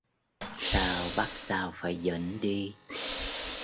Sao bắt tao phải dẫn đi